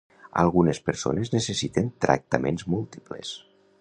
Algunes persones necessiten tractaments múltiples.